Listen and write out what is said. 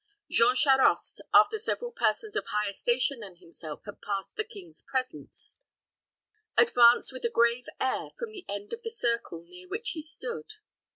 Jean Charost, after several persons of higher station than himself had passed the king's presence, advanced with a grave air from the end of the circle near which he stood.